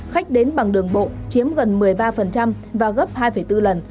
khách đến bằng đường bộ chiếm gần một mươi ba và gấp hai bốn lần